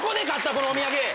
このお土産！